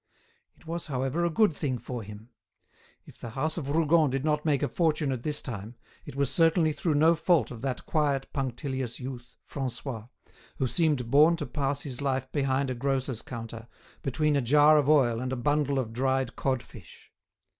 It was, however, a good thing for him. If the house of Rougon did not make a fortune at this time, it was certainly through no fault of that quiet, punctilious youth, Francois, who seemed born to pass his life behind a grocer's counter, between a jar of oil and a bundle of dried cod fish.